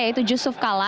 yaitu yusuf kala